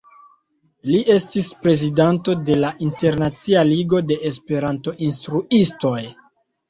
Li estis prezidanto de la Internacia Ligo de Esperanto-Instruistoj.